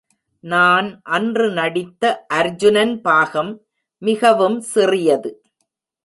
நான் அன்று நடித்த அர்ஜுனன் பாகம் மிகவும் சிறியது.